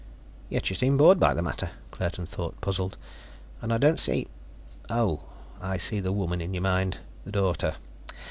"Yet you seem bored by the matter," Claerten thought, puzzled. "I don't see ... oh. I see the woman in your mind. The daughter.